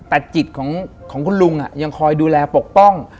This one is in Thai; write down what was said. แต่จิตของคุณลุงยังคอยดูแลปกป้อง